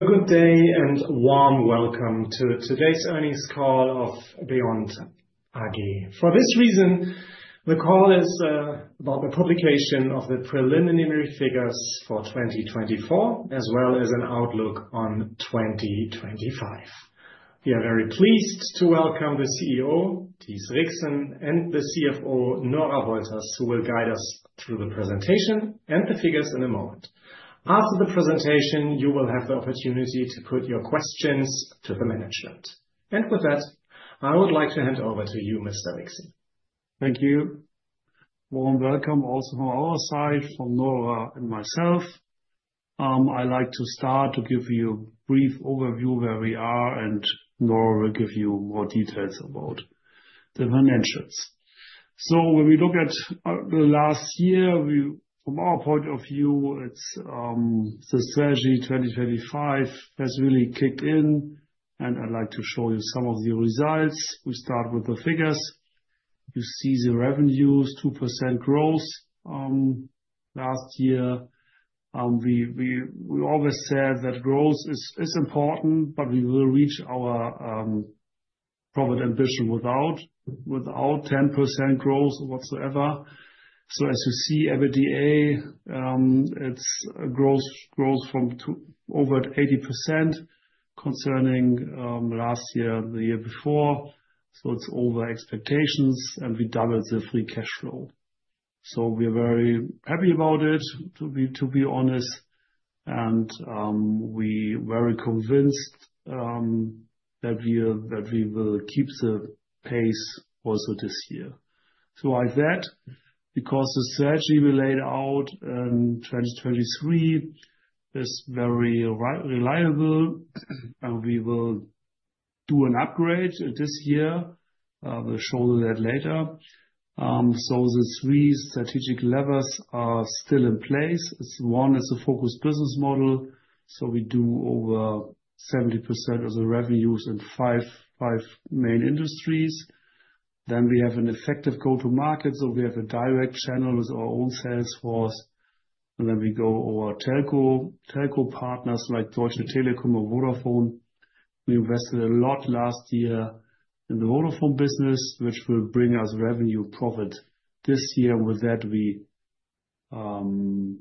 Good day and warm welcome to today's earnings call of q.beyond. For this reason, the call is about the publication of the preliminary figures for 2024, as well as an outlook on 2025. We are very pleased to welcome the CEO, Thies Rixen, and the CFO, Nora Wolters, who will guide us through the presentation and the figures in a moment. After the presentation, you will have the opportunity to put your questions to the management. With that, I would like to hand over to you, Mr. Rixen. Thank you. Warm welcome also from our side, from Nora and myself. I'd like to start to give you a brief overview of where we are, and Nora will give you more details about the financials. When we look at the last year, from our point of view, the Strategy 2025 has really kicked in, and I'd like to show you some of the results. We start with the figures. You see the revenues, 2% growth last year. We always said that growth is important, but we will reach our profit ambition without 10% growth whatsoever. As you see, EBITDA, it's growth from over 80% concerning last year, the year before. It's over expectations, and we doubled the free cash flow. We're very happy about it, to be honest, and we're very convinced that we will keep the pace also this year. Like that, because the strategy we laid out in 2023 is very reliable, we will do an upgrade this year. We'll show you that later. The three strategic levers are still in place. One is a focused business model. We do over 70% of the revenues in five main industries. We have an effective go-to-market. We have a direct channel with our own sales force. We go over telco partners like Deutsche Telekom or Vodafone. We invested a lot last year in the Vodafone business, which will bring us revenue profit this year. With that, we lowered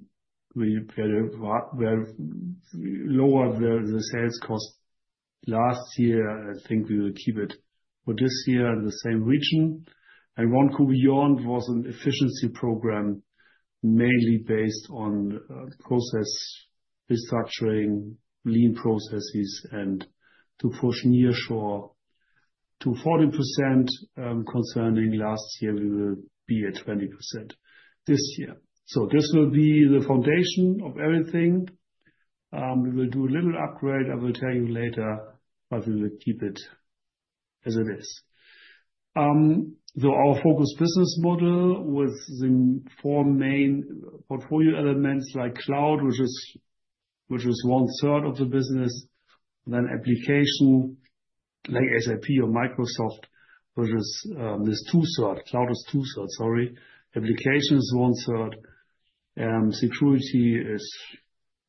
the sales cost last year. I think we will keep it for this year in the same region. One q.beyond was an efficiency program, mainly based on process restructuring, lean processes, and to push nearshore to 40%. Concerning last year, we will be at 20% this year. This will be the foundation of everything. We will do a little upgrade. I will tell you later, but we will keep it as it is. Our focused business model with the four main portfolio elements like cloud, which is two-thirds of the business, then application like SAP or Microsoft, which is one-third. Security is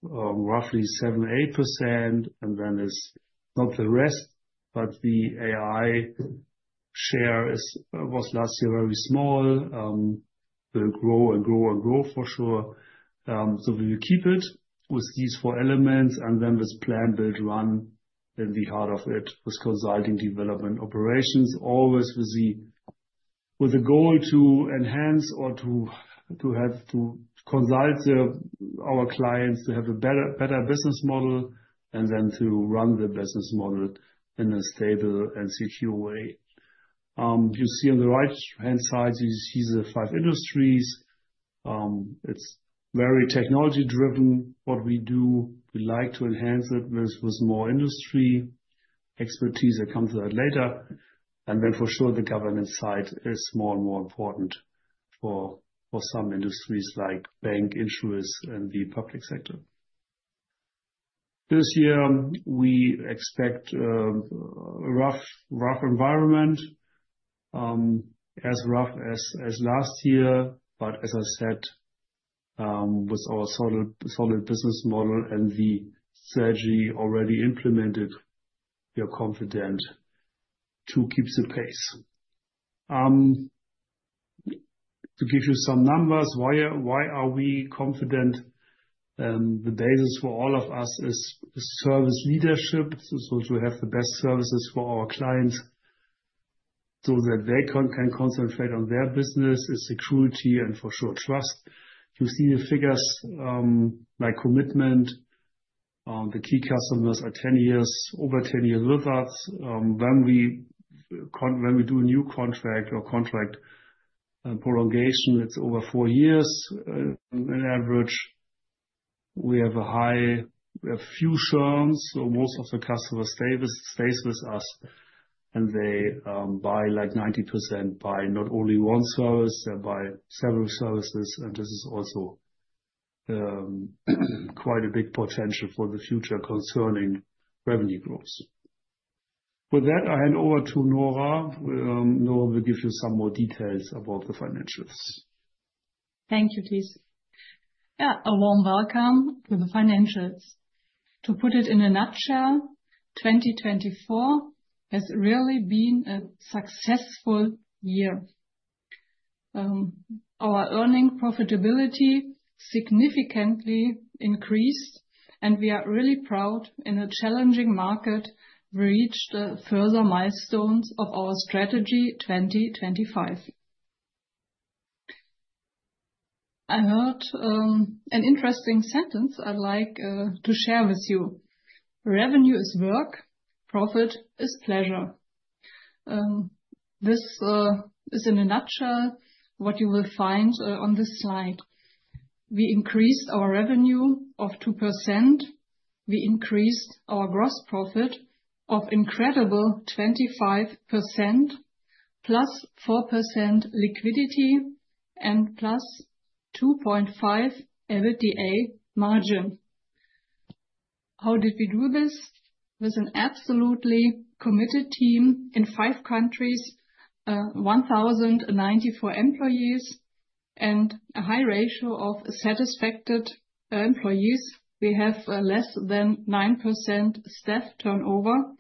roughly 7%-8%, and then it is not the rest, but the AI share was last year very small. It will grow and grow and grow for sure. We will keep it with these four elements and then with plan, build, run in the heart of it with consulting, development, operations, always with the goal to enhance or to consult our clients to have a better business model and then to run the business model in a stable and secure way. You see on the right-hand side, you see the five industries. It's very technology-driven, what we do. We like to enhance it with more industry expertise. I'll come to that later. For sure, the governance side is more and more important for some industries like bank, insurance, and the public sector. This year, we expect a rough environment, as rough as last year, but as I said, with our solid business model and the strategy already implemented, we are confident to keep the pace. To give you some numbers, why are we confident? The basis for all of us is service leadership, to have the best services for our clients so that they can concentrate on their business, security, and for sure, trust. You see the figures like commitment. The key customers are over 10 years with us. When we do a new contract or contract prolongation, it is over four years. On average, we have a few churns. Most of the customers stay with us, and they buy like 90%, buy not only one service, they buy several services. This is also quite a big potential for the future concerning revenue growth. With that, I hand over to Nora. Nora will give you some more details about the financials. Thank you, Thies. Yeah, a warm welcome to the financials. To put it in a nutshell, 2024 has really been a successful year. Our earning profitability significantly increased, and we are really proud in a challenging market. We reached further milestones of our strategy 2025. I heard an interesting sentence I'd like to share with you. "Revenue is work, profit is pleasure." This is in a nutshell what you will find on this slide. We increased our revenue of 2%. We increased our gross profit of incredible 25%, +4% liquidity, and +2.5% EBITDA margin. How did we do this? With an absolutely committed team in five countries, 1,094 employees, and a high ratio of satisfactory employees. We have less than 9% staff turnover.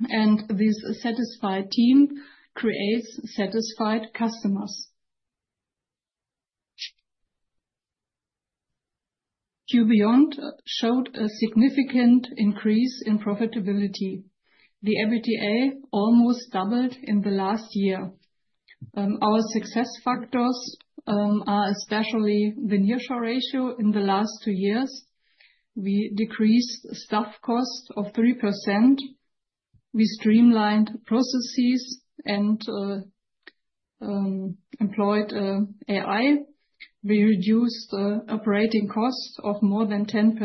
This satisfied team creates satisfied customers. q.beyond showed a significant increase in profitability. The EBITDA almost doubled in the last year. Our success factors are especially the nearshore ratio in the last two years. We decreased staff cost of 3%. We streamlined processes and employed AI. We reduced operating cost of more than 10%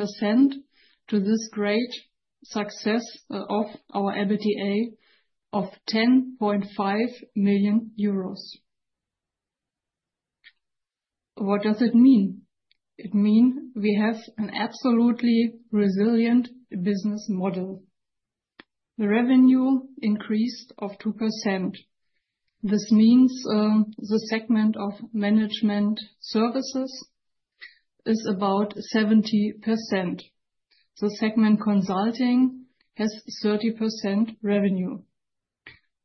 to this great success of our EBITDA of 10.5 million euros. What does it mean? It means we have an absolutely resilient business model. The revenue increased of 2%. This means the segment of managed services is about 70%. The segment consulting has 30% revenue.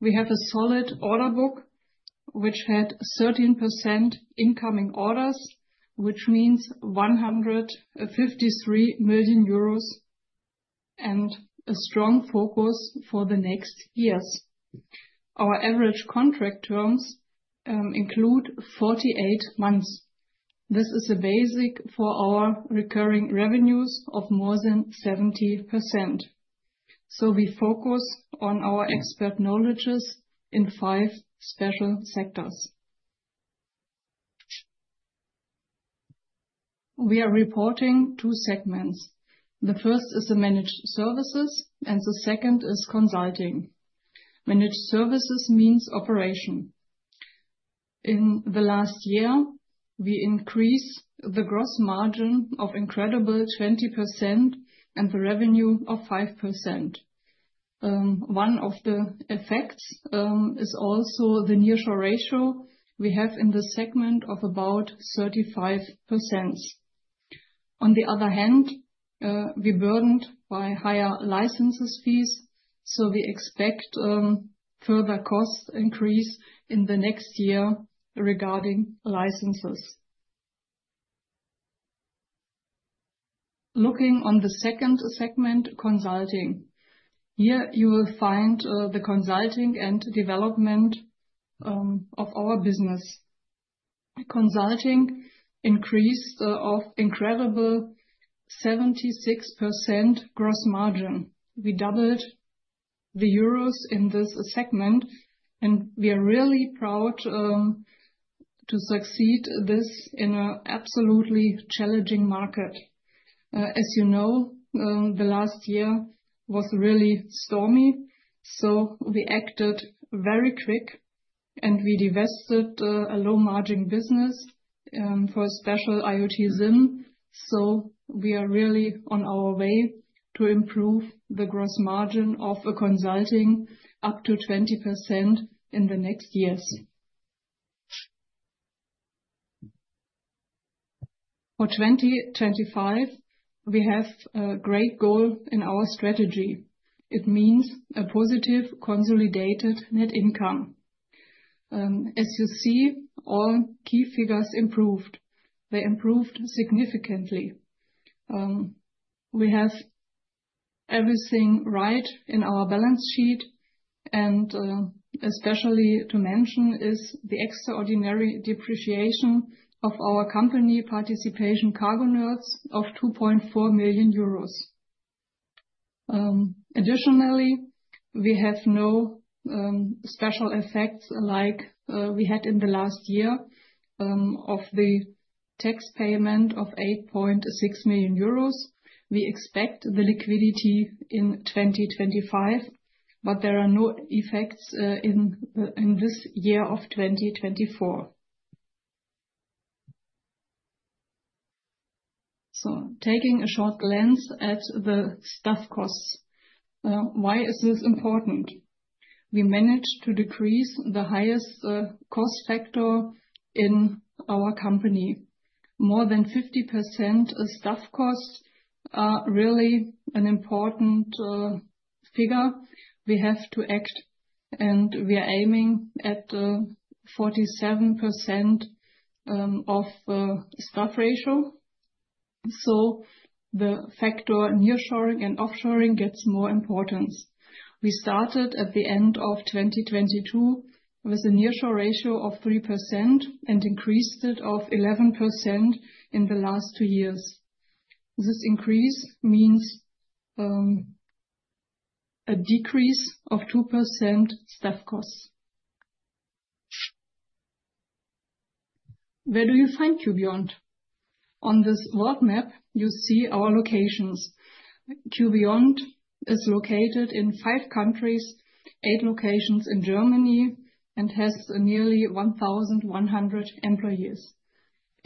We have a solid order book, which had 13% incoming orders, which means 153 million euros and a strong focus for the next years. Our average contract terms include 48 months. This is a basis for our recurring revenues of more than 70%. We focus on our expert knowledges in five special sectors. We are reporting two segments. The first is the managed services, and the second is consulting. Managed services means operation. In the last year, we increased the gross margin an incredible 20% and the revenue 5%. One of the effects is also the nearshore ratio we have in the segment of about 35%. On the other hand, we are burdened by higher license fees, so we expect further cost increase in the next year regarding licenses. Looking on the second segment, consulting. Here you will find the consulting and development of our business. Consulting increased an incredible 76% gross margin. We doubled the Euros in this segment, and we are really proud to succeed in this in an absolutely challenging market. As you know, the last year was really stormy, we acted very quick, and we divested a low-margin business for a special IoT SIM. We are really on our way to improve the gross margin of consulting up to 20% in the next years. For 2025, we have a great goal in our strategy. It means a positive consolidated net income. As you see, all key figures improved. They improved significantly. We have everything right in our balance sheet, and especially to mention is the extraordinary depreciation of our company participation cargonerds of 2.4 million euros. Additionally, we have no special effects like we had in the last year of the tax payment of 8.6 million euros. We expect the liquidity in 2025, but there are no effects in this year of 2024. Taking a short glance at the staff costs, why is this important? We managed to decrease the highest cost factor in our company. More than 50% staff costs are really an important figure. We have to act, and we are aiming at 47% of staff ratio. The factor nearshoring and offshoring gets more importance. We started at the end of 2022 with a nearshore ratio of 3% and increased it to 11% in the last two years. This increase means a decrease of 2% staff costs. Where do you find q.beyond? On this roadmap, you see our locations. q.beyond is located in five countries, eight locations in Germany, and has nearly 1,100 employees.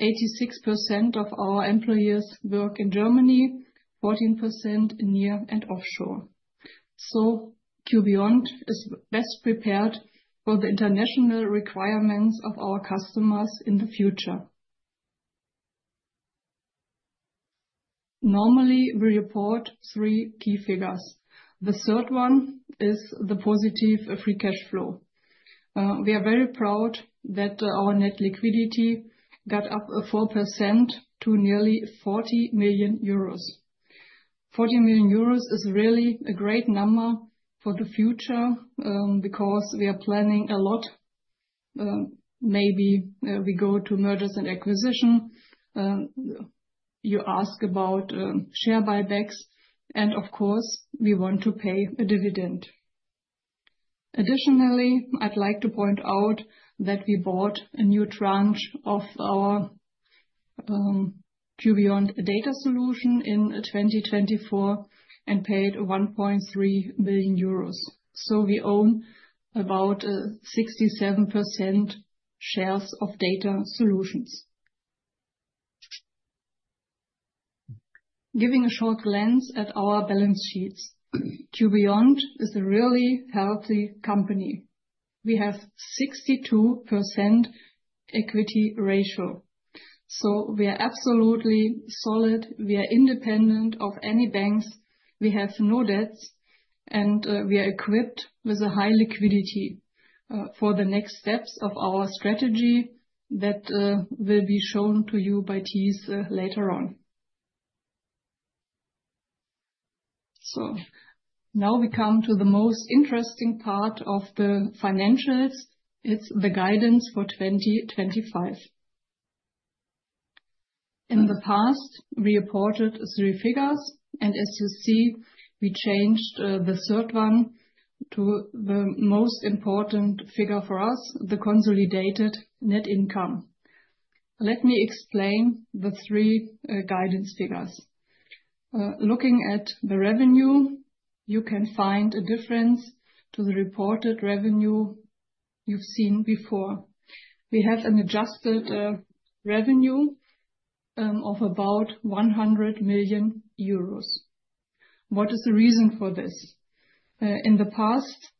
86% of our employees work in Germany, 14% near and offshore. q.beyond is best prepared for the international requirements of our customers in the future. Normally, we report three key figures. The third one is the positive free cash flow. We are very proud that our net liquidity got up 4% to nearly 40 million euros. 40 million euros is really a great number for the future because we are planning a lot. Maybe we go to mergers and acquisitions. You ask about share buybacks, and of course, we want to pay a dividend. Additionally, I'd like to point out that we bought a new tranche of our q.beyond Data Solutions in 2024 and paid 1.3 million euros. So we own about 67% shares of Data Solutions. Giving a short glance at our balance sheets, q.beyond is a really healthy company. We have 62% equity ratio. We are absolutely solid. We are independent of any banks. We have no debts, and we are equipped with a high liquidity for the next steps of our strategy that will be shown to you by Thies later on. Now we come to the most interesting part of the financials. It's the guidance for 2025. In the past, we reported three figures, and as you see, we changed the third one to the most important figure for us, the consolidated net income. Let me explain the three guidance figures. Looking at the revenue, you can find a difference to the reported revenue you've seen before. We have an adjusted revenue of about 100 million euros. What is the reason for this? In the past,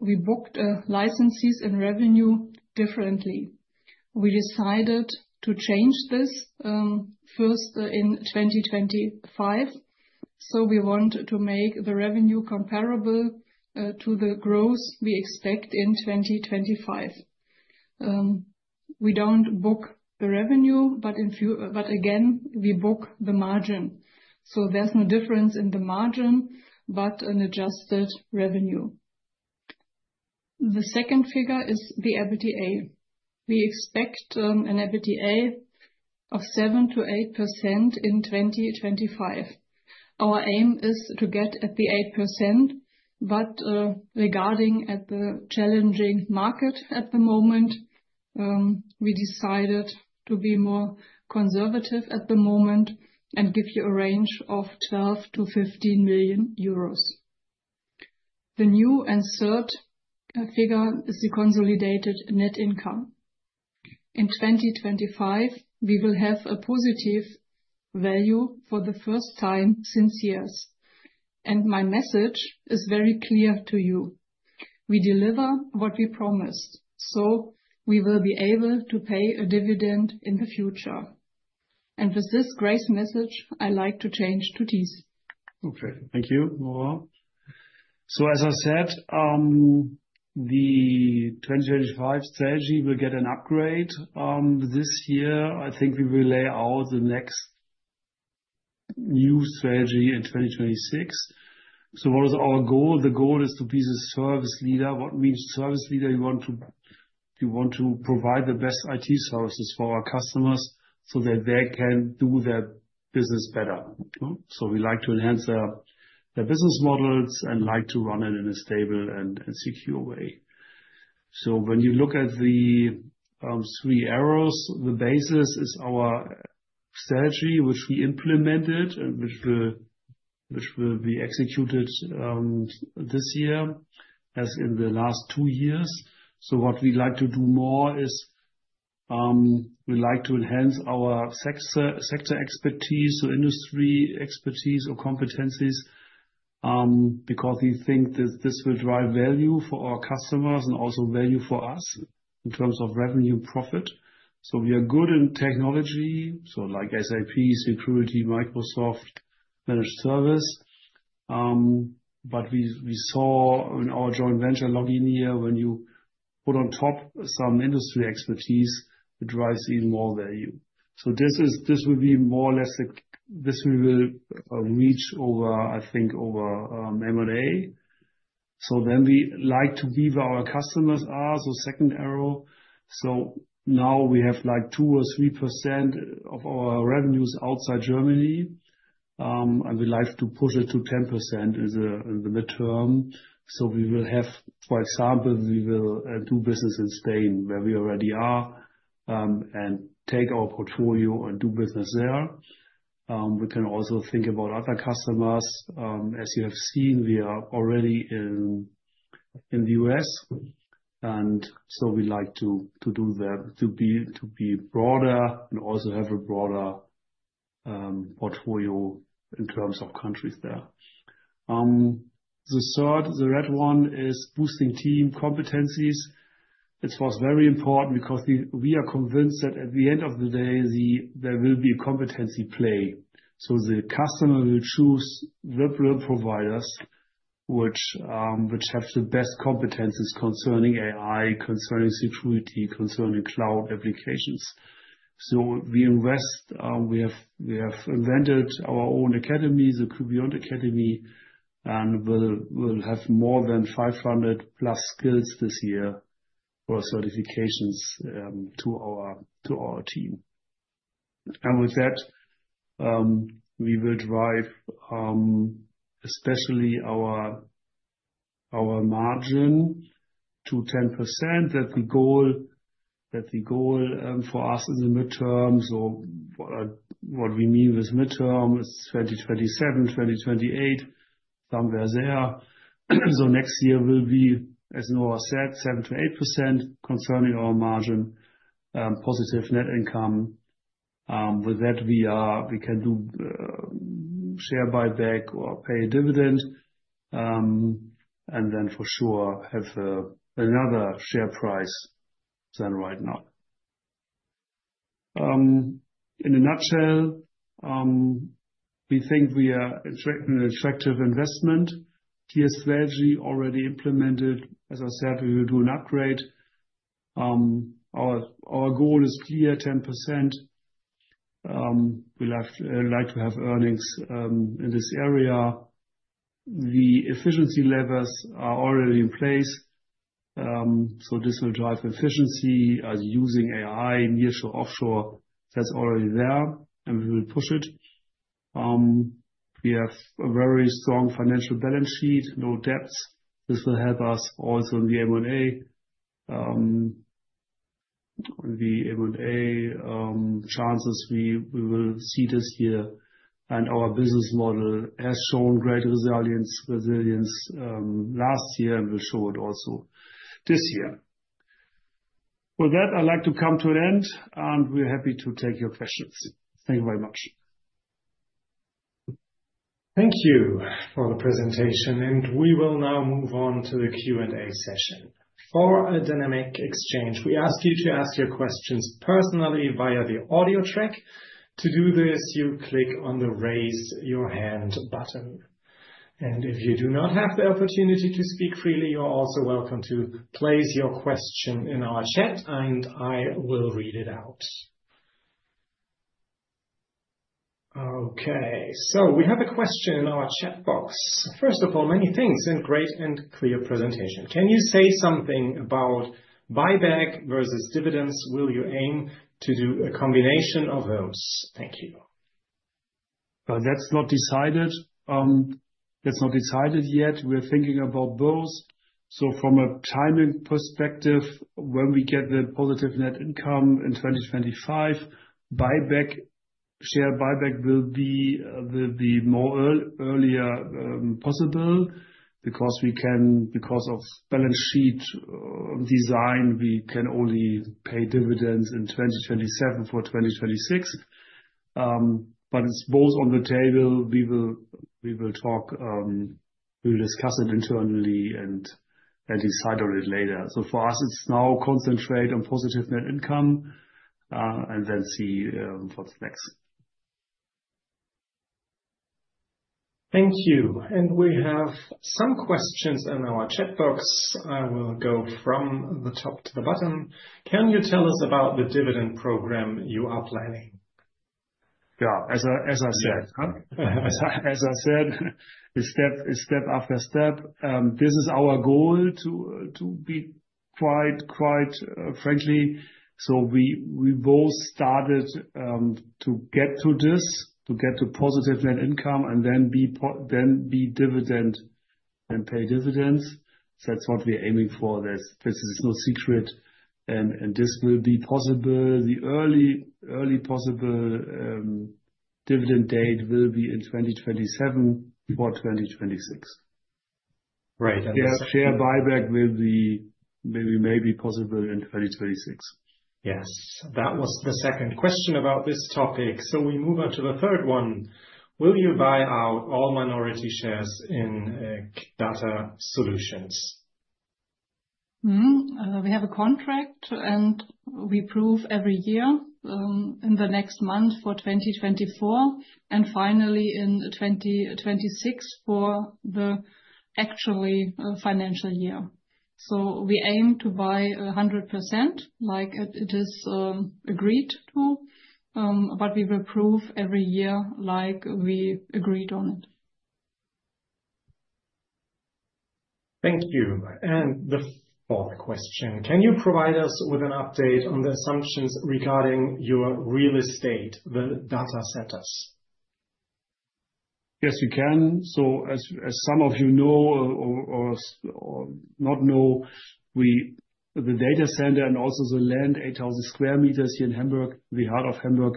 we booked licenses and revenue differently. We decided to change this first in 2025. We want to make the revenue comparable to the growth we expect in 2025. We don't book the revenue, but again, we book the margin. There's no difference in the margin, but an adjusted revenue. The second figure is the EBITDA. We expect an EBITDA of 7%-8% in 2025. Our aim is to get at the 8%, but regarding the challenging market at the moment, we decided to be more conservative at the moment and give you a range of 12 million - 15 million euros. The new and third figure is the consolidated net income. In 2025, we will have a positive value for the first time since years. My message is very clear to you. We deliver what we promised, so we will be able to pay a dividend in the future. With this grace message, I'd like to change to Thies. Okay, thank you, Nora. As I said, the 2025 strategy will get an upgrade this year. I think we will lay out the next new strategy in 2026. What is our goal? The goal is to be the service leader. What means service leader? We want to provide the best IT services for our customers so that they can do their business better. We like to enhance their business models and like to run it in a stable and secure way. When you look at the three arrows, the basis is our strategy, which we implemented and which will be executed this year as in the last two years. What we'd like to do more is we'd like to enhance our sector expertise, so industry expertise or competencies, because we think that this will drive value for our customers and also value for us in terms of revenue profit. We are good in technology, so like SAP, security, Microsoft, managed service. We saw in our joint venture logineer, when you put on top some industry expertise, it drives even more value. This will be more or less this we will reach over, I think, over M&A. We like to be where our customers are, so second arrow. Now we have like 2% or 3% of our revenues outside Germany, and we'd like to push it to 10% in the midterm. We will have, for example, we will do business in Spain, where we already are, and take our portfolio and do business there. We can also think about other customers. As you have seen, we are already in the U.S., and so we'd like to do that, to be broader and also have a broader portfolio in terms of countries there. The third, the red one, is boosting team competencies. It was very important because we are convinced that at the end of the day, there will be a competency play. The customer will choose the providers which have the best competencies concerning AI, concerning security, concerning cloud applications. We invest, we have invented our own academy, the q.beyond Academy, and we'll have more than 500+ skills this year for certifications to our team. With that, we will drive especially our margin to 10%, that's the goal for us in the midterm. What we mean with midterm is 2027, 2028, somewhere there. Next year will be, as Nora said, 7%-8% concerning our margin, positive net income. With that, we can do share buyback or pay a dividend, and then for sure have another share price than right now. In a nutshell, we think we are an attractive investment. Thies Rixen already implemented, as I said, we will do an upgrade. Our goal is clear, 10%. We'd like to have earnings in this area. The efficiency levers are already in place, so this will drive efficiency as using AI, nearshore, offshore. That's already there, and we will push it. We have a very strong financial balance sheet, no debts. This will help us also in the M&A. In the M&A chances, we will see this year, and our business model has shown great resilience last year and will show it also this year. With that, I'd like to come to an end, and we're happy to take your questions. Thank you very much. Thank you for the presentation, and we will now move on to the Q&A session. For a dynamic exchange, we ask you to ask your questions personally via the audio track. To do this, you click on the raise your hand button. If you do not have the opportunity to speak freely, you're also welcome to place your question in our chat, and I will read it out. Okay, we have a question in our chat box. First of all, many thanks and great and clear presentation. Can you say something about buyback versus dividends? Will you aim to do a combination of those? Thank you. That's not decided. That's not decided yet. We're thinking about both. From a timing perspective, when we get the positive net income in 2025, share buyback will be the more earlier possible because we can, because of balance sheet design, we can only pay dividends in 2027 for 2026. It's both on the table. We will talk, we'll discuss it internally and decide on it later. For us, it's now concentrate on positive net income and then see what's next. Thank you. We have some questions in our chat box. I will go from the top to the bottom. Can you tell us about the dividend program you are planning? Yeah, as I said, step after step, this is our goal to be quite, quite frankly. We both started to get to this, to get to positive net income and then be dividend and pay dividends. That's what we're aiming for. This is no secret, and this will be possible. The early possible dividend date will be in 2027 for 2026. Right. Share buyback will be maybe possible in 2026. Yes. That was the second question about this topic. We move on to the third one. Will you buy out all minority shares in Data Solutions? We have a contract, and we prove every year in the next month for 2024 and finally in 2026 for the actual financial year. We aim to buy 100% like it is agreed to, but we will prove every year like we agreed on it. Thank you. The fourth question. Can you provide us with an update on the assumptions regarding your real estate, the data centers? Yes, you can. As some of you know or not know, the data center and also the land, 8,000 sq m here in Hamburg, the heart of Hamburg,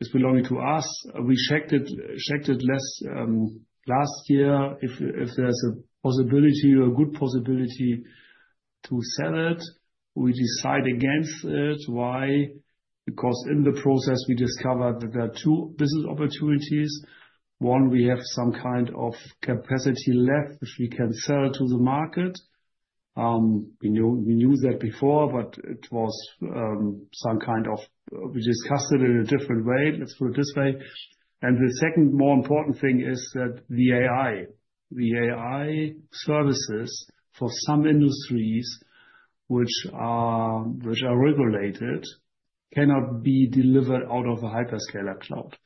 is belonging to us. We checked it last year if there is a possibility, a good possibility to sell it. We decided against it. Why? Because in the process, we discovered that there are two business opportunities. One, we have some kind of capacity left which we can sell to the market. We knew that before, but it was some kind of we discussed it in a different way. Let's put it this way. The second more important thing is that the AI services for some industries which are regulated cannot be delivered out of a hyperscaler cloud,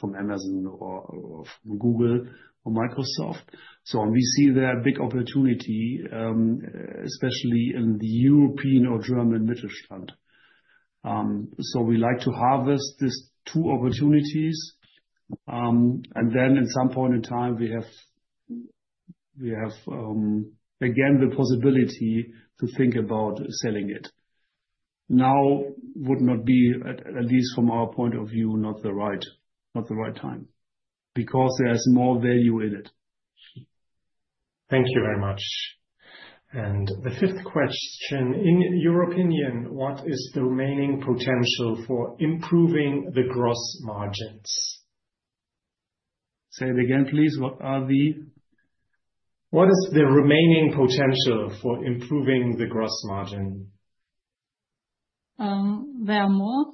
from Amazon or Google or Microsoft. We see there a big opportunity, especially in the European or German Mittelstand. We like to harvest these two opportunities. And then at some point in time, we have again the possibility to think about selling it. Now would not be, at least from our point of view, not the right time. Because there's more value in it. Thank you very much. The fifth question. In your opinion, what is the remaining potential for improving the gross margins? Say it again, please. What is the remaining potential for improving the gross margin? There are more.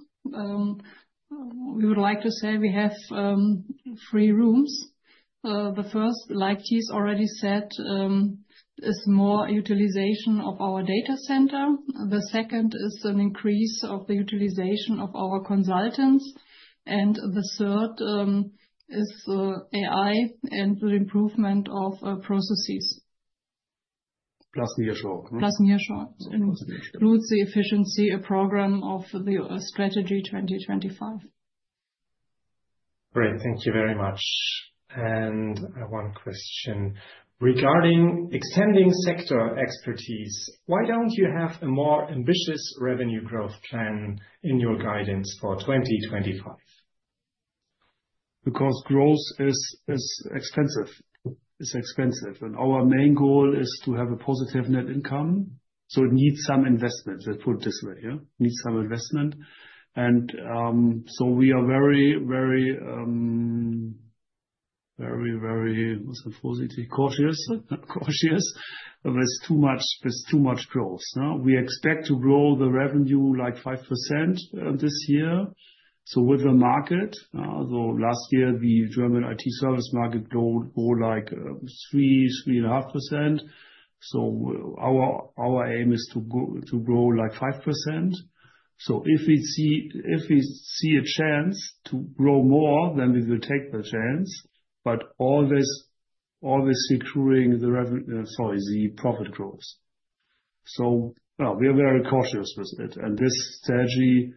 We would like to say we have three rooms. The first, like Thies already said, is more utilization of our data center. The second is an increase of the utilization of our consultants. The third is AI and the improvement of processes. Plus nearshore. Plus nearshore. It includes the efficiency program of the strategy 2025. Great. Thank you very much. One question. Regarding extending sector expertise, why do you not have a more ambitious revenue growth plan in your guidance for 2025? Because growth is expensive. It's expensive. Our main goal is to have a positive net income. It needs some investment. Let's put it this way. It needs some investment. We are very, very, very, what's the phrase? Cautious. Cautious. There is too much growth. We expect to grow the revenue like 5% this year. With the market, last year, the German IT service market grew like 3%, 3.5%. Our aim is to grow like 5%. If we see a chance to grow more, we will take the chance, but always securing the revenue, sorry, the profit growth. We are very cautious with it. This strategy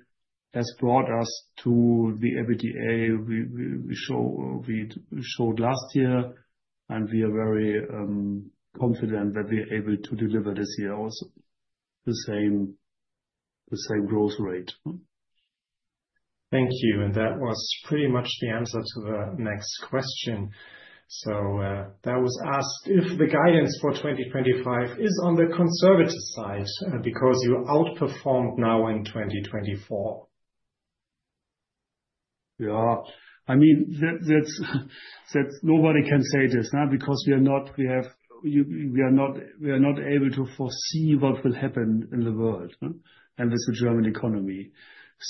has brought us to the EBITDA we showed last year, and we are very confident that we are able to deliver this year also the same growth rate. Thank you. That was pretty much the answer to the next question. That was asked if the guidance for 2025 is on the conservative side because you outperformed now in 2024. Yeah. I mean, nobody can say this because we are not able to foresee what will happen in the world and with the German economy.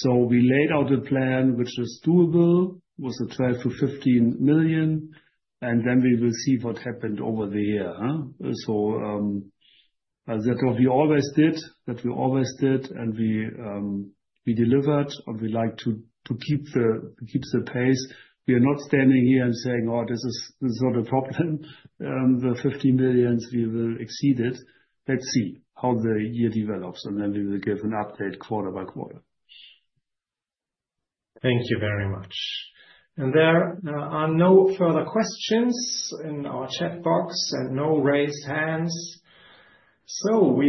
We laid out a plan which is doable with 12 million-15 million, and then we will see what happened over the year. That is what we always did, that we always did, and we delivered, and we like to keep the pace. We are not standing here and saying, "Oh, this is not a problem. The 15 million, we will exceed it." Let's see how the year develops, and then we will give an update quarter by quarter. Thank you very much. There are no further questions in our chat box and no raised hands.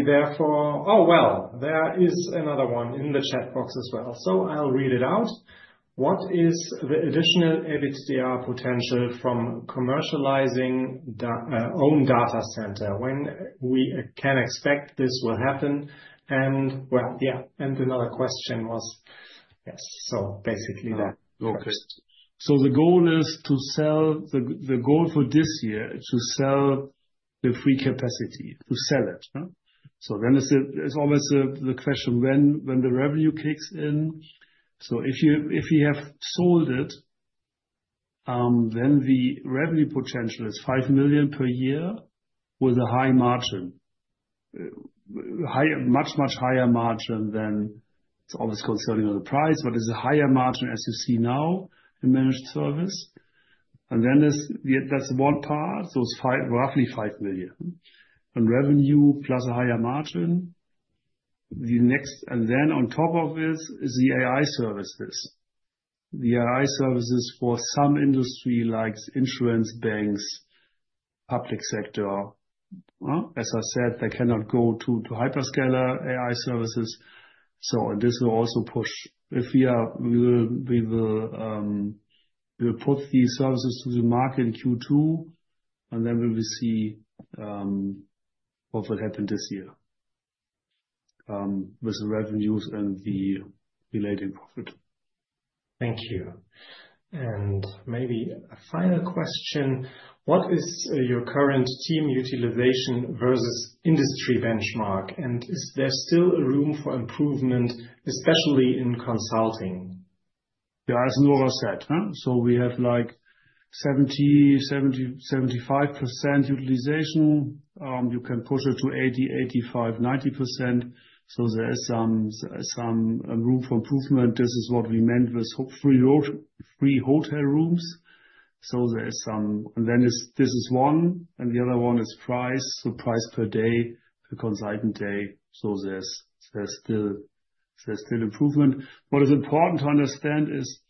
Therefore, oh, there is another one in the chat box as well. I'll read it out. What is the additional EBITDA potential from commercializing own data center when we can expect this will happen? Another question was, yes. Basically that. The goal is to sell. The goal for this year is to sell the free capacity, to sell it. It is always the question when the revenue kicks in. If we have sold it, then the revenue potential is 5 million per year with a high margin, much, much higher margin than—it's always concerning on the price, but it is a higher margin as you see now in managed service. That is one part, so it is roughly 5 million in revenue plus a higher margin. On top of this is the AI services. The AI services for some industry like insurance, banks, public sector. As I said, they cannot go to hyperscaler AI services. This will also push. If we will put these services to the market in Q2, and then we will see what will happen this year with the revenues and the relating profit. Thank you. Maybe a final question. What is your current team utilization versus industry benchmark? Is there still room for improvement, especially in consulting? Yeah, as Nora said. We have like 70%-75% utilization. You can push it to 80%-85%-90%. There is some room for improvement. This is what we meant with free hotel rooms. There is some. This is one, and the other one is price, so price per day, per consultant day. There is still improvement. What is important to understand is,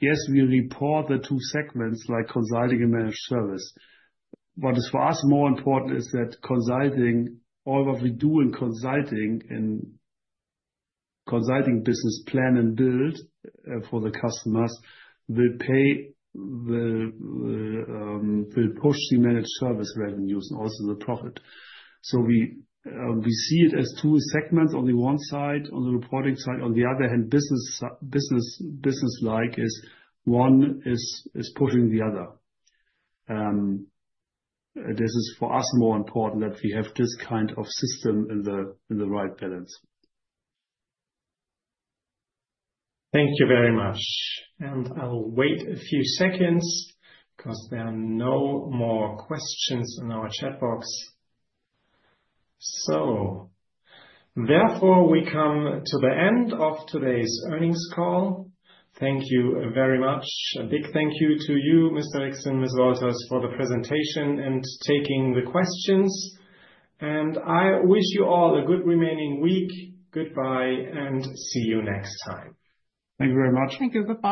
yes, we report the two segments like consulting and managed service. What is for us more important is that consulting, all what we do in consulting, in consulting business plan and build for the customers will push the managed service revenues and also the profit. We see it as two segments on the one side, on the reporting side. On the other hand, business-like is one is pushing the other. This is for us more important that we have this kind of system in the right balance. Thank you very much. I'll wait a few seconds because there are no more questions in our chat box. Therefore, we come to the end of today's earnings call. Thank you very much. A big thank you to you, Mr. Rixen, Ms. Wolters, for the presentation and taking the questions. I wish you all a good remaining week. Goodbye and see you next time. Thank you very much. Thank you for coming.